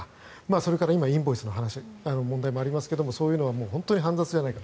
それから今インボイスの問題もありますがそういうのは本当に煩雑じゃないか。